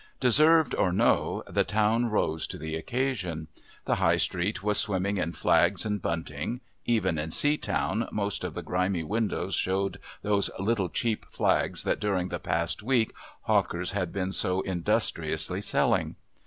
Deserved or no, the town rose to the occasion. The High Street was swimming in flags and bunting; even in Seatown most of the grimy windows showed those little cheap flags that during the past week hawkers had been so industriously selling.